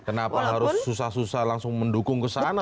kenapa harus susah susah langsung mendukung kesana